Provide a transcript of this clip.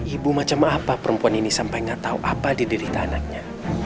ibu macam apa perempuan ini sampai gak tahu apa diderita anaknya